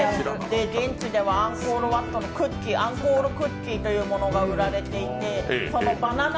現地ではアンコールワットのクッキー、アンコールクッキーというものが売られていてそのバナナ